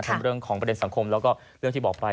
เรื่องของประเด็นสังคมแล้วก็เรื่องที่บอกไป